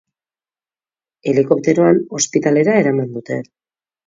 Helikopteroan ospitalera eraman dute.